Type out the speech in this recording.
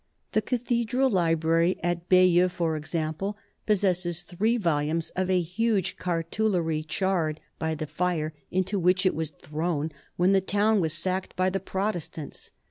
The cathedral library at Bayeux, for example, possesses three volumes of a huge cartulary charred by the fire into which it was thrown when the town was sacked by the Protestants.